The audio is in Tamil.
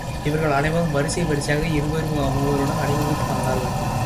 இவர்கள் அனைவரும் வரிசை வரிசையாக இருவர் மூவருடன் அணிவகுத்து வந்தார்கள்.